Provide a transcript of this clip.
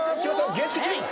月９チーム！